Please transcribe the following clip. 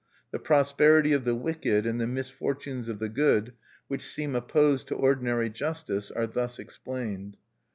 The prosperity of the wicked, and the misfortunes of the good, which seem opposed to ordinary justice, are thus explained."